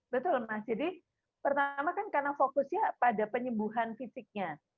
betul mas jadi pertama kan karena fokusnya pada penyembuhan fisiknya